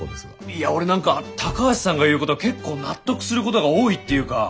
いや俺何か高橋さんが言うこと結構納得することが多いっていうか。